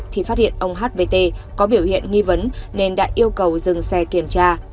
thì phát hiện ông hvt có biểu hiện nghi vấn nên đã yêu cầu dừng xe kiểm tra